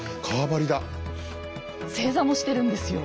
正座もしてるんですよ。